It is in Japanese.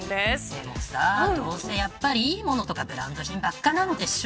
でもどうせいいものとかブランド品ばっかなんでしょ。